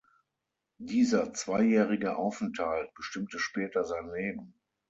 Dieser zweijährige Aufenthalt bestimmte später sein Leben.